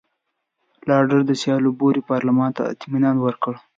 لارډ سالیزبوري پارلمان ته اطمینان ورکړ.